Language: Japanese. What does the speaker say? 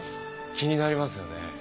気になりますよね。